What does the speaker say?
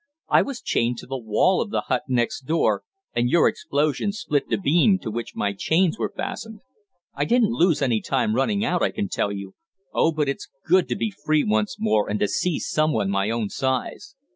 I was chained to the wall of the hut next door, and your explosion split the beam to which my chains were fastened. I didn't lose any time running out, I can tell you. Oh, but it's good to be free once more and to see someone my own size!"